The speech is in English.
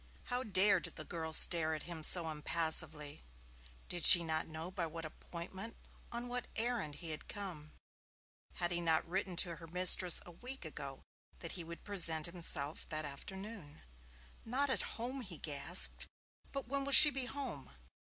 How dared the girl stare at him so impassively? Did she not know by what appointment on what errand he had come? Had he not written to her mistress a week ago that he would present himself that afternoon? 'Not at home!' he gasped. 'But when will she be home?'